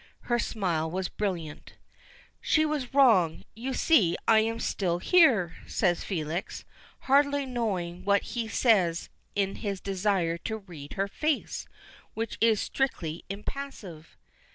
Her smile was brilliant. "She was wrong, you see, I am still here," says Felix, hardly knowing what he says in his desire to read her face, which is strictly impassive.